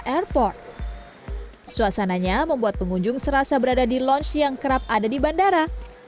airport suasananya membuat pengunjung serasa berada di lounge yang kerap ada di bandara